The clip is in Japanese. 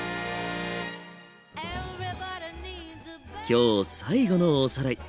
今日最後のおさらい。